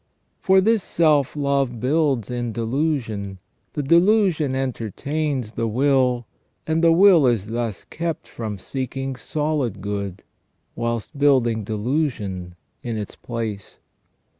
For this self love builds in delusion, the delusion entertains the will, and the will is thus kept from seeking solid good, whilst building delusion in its place.